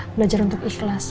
belajar untuk ikhlas